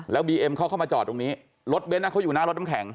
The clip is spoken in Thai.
บีเอ็มเขาเข้ามาจอดตรงนี้รถเบ้นเขาอยู่หน้ารถน้ำแข็ง